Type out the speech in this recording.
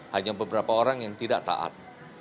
hanya beberapa orang yang tidak taat